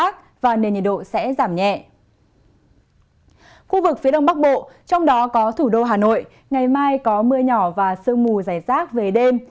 khu vực phía đông bắc bộ trong đó có thủ đô hà nội ngày mai có mưa nhỏ và sương mù dày rác về đêm